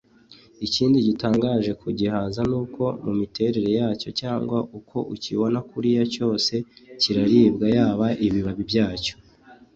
Ikindi gitangaje ku gihaza nuko mu miterere yacyo cyangwa uko ukibona kuriya cyose kiraribwa yaba ibibabi byacyo